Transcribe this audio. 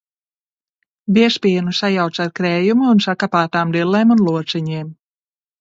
Biezpienu sajauc ar krējumu un sakapātām dillēm un lociņiem.